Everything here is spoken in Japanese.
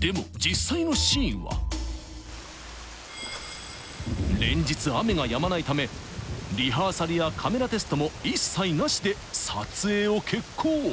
でも実際のシーンは連日雨がやまないためリハーサルやカメラテストも一切なしで撮影を決行